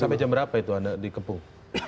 sampai jam berapa itu anda di kepung